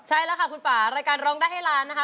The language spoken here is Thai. ใช่แล้วค่ะคุณป่ารายการร้องได้ให้ล้านนะคะ